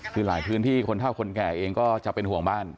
คือหลายพื้นที่คนเท่าคนแก่เองก็จะเป็นห่วงบ้าน